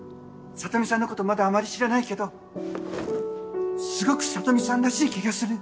サトミさんのことまだあまり知らないけどすごくサトミさんらしい気がする。